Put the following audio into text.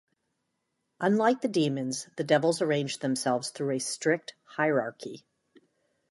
Unlike the demons, the devils arranged themselves through a strict hierarchy.